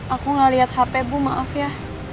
aku gak lihat hp bu maaf ya